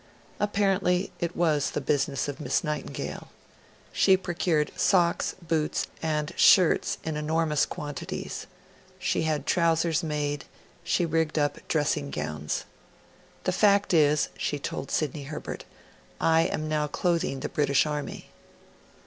Apparently, it was the business of Miss Nightingale. She procured socks, boots, and shirts in enormous quantities; she had trousers made, she rigged up dressing gowns. 'The fact is,' she told Sidney Herbert, I am now clothing the British Army.'